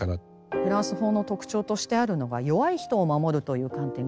フランス法の特徴としてあるのが弱い人を守るという観点があります。